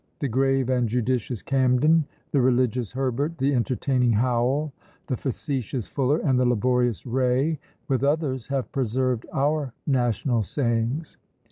The grave and judicious Camden, the religious Herbert, the entertaining Howell, the facetious Fuller, and the laborious Ray, with others, have preserved our national sayings.